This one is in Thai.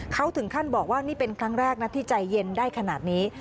เขาถึงขั้นบอกว่านี่เป็นครั้งแรกนะที่ใจเย็นได้ขนาดนี้